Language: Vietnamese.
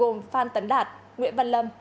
gồm phan tấn đạt nguyễn văn lâm